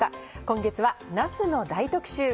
今月はなすの大特集。